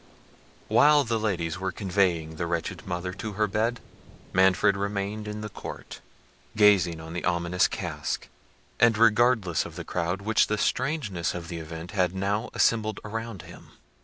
While the ladies were conveying the wretched mother to her bed, Manfred remained in the court, gazing on the ominous casque, and regardless of the crowd which the strangeness of the event had now assembled around him.